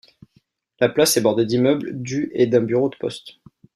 La place est bordée d'immeubles du et d'un bureau de poste.